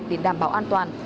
để đảm bảo an toàn